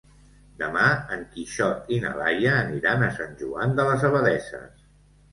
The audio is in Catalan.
Demà en Quixot i na Laia aniran a Sant Joan de les Abadesses.